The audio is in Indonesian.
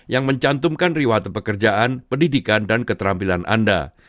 yang mencantumkan riwata pekerjaan pendidikan dan keterampilan anda